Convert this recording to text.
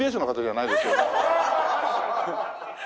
はい。